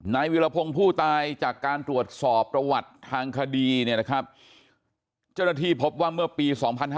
วิรพงศ์ผู้ตายจากการตรวจสอบประวัติทางคดีเนี่ยนะครับเจ้าหน้าที่พบว่าเมื่อปี๒๕๕๙